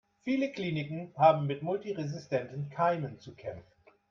Viele Kliniken haben mit multiresistenten Keimen zu kämpfen.